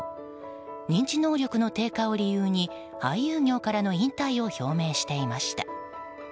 認知能力の低下を理由に俳優業からの引退を表明していました。